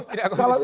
tidak usah bilang